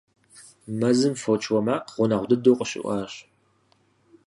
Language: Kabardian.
Мэзым фоч уэ макъ гъунэгъу дыдэу къыщыӀуащ.